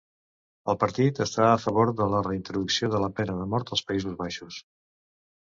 El partit està a favor de la reintroducció de la pena de mort als Països Baixos.